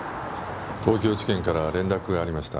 東京地検から連絡がありました。